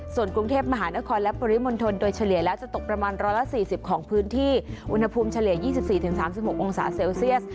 ส่วนกรุงเทพมหานครและปริมณฑลโดยเฉลี่ยแล้วจะตกประมาณ๑๔๐ของพื้นที่อุณหภูมิเฉลี่ย๒๔๓๖องศาเซลเซียส